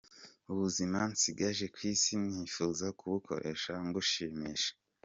Ubuzima nsigaje ku isi nifuza kubukoresha ngushimisha.